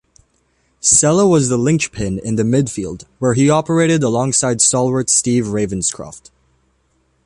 Sella was the linchpin in the midfield where he operated alongside stalwart Steve Ravenscroft.